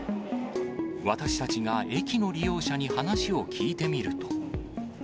私たちが駅の利用者に話を聞いてみると。